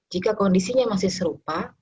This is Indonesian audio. jika kondisinya masih serupa